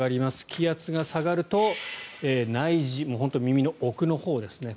気圧が下がると内耳本当に耳の奥のほうですね。